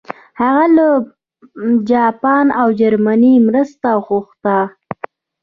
هغه له جاپان او جرمني مرسته وغوښته.